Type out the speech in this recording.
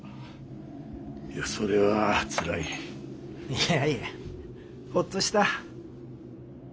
いやいやホッとした。